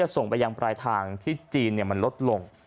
ส่งไปยังปลายทางที่จีนมันลดลง